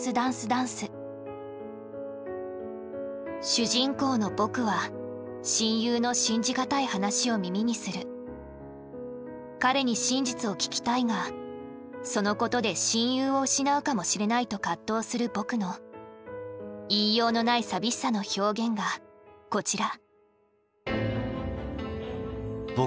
主人公の僕は彼に真実を聞きたいがそのことで親友を失うかもしれないと葛藤する僕の言いようのない寂しさの表現がこちら。